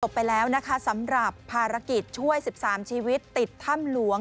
ไปแล้วนะคะสำหรับภารกิจช่วย๑๓ชีวิตติดถ้ำหลวง